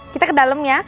kita ke dalam ya